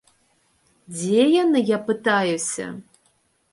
Дзе яны, я пытаюся!